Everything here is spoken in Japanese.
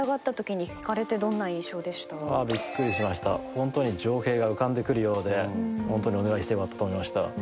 ホントに情景が浮かんでくるようでホントにお願いしてよかったと思いました。